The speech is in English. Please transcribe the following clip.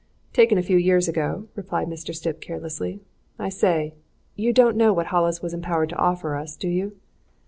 "Taken a few years ago," replied Mr. Stipp carelessly. "I say you don't know what Hollis was empowered to offer us, do you?"